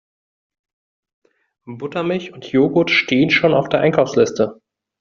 Buttermilch und Jogurt stehen schon auf der Einkaufsliste.